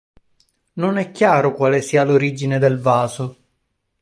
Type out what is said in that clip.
Non è chiaro quale sia l'origine del vaso.